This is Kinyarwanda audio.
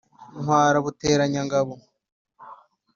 ntwara ruteranyangabo.